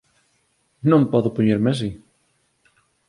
Non podo poñerme así.